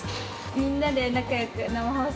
みんなで仲よく生放送